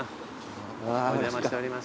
お邪魔しております。